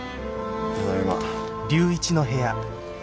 ただいま。